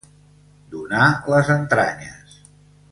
Donar les entranyes.